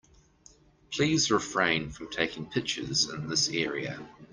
Please refrain from taking pictures in this area.